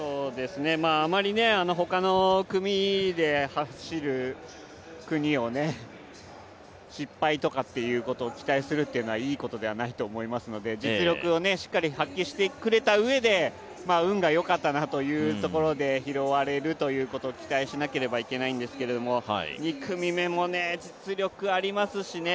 あまりほかの組で走る国を失敗とかということを期待するのはいいことではないと思いますので実力をしっかり発揮してくれたうえで運が良かったなというところで拾われるところを期待しなければいけないんですけれども、２組目もね、実力ありますしね。